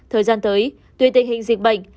thời gian tới tuy tình hình diệt bệnh